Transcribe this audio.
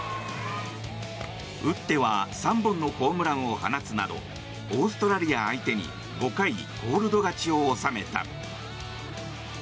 打っては３本のホームランを放つなどオーストラリア相手に５回コールド勝ちを収めた。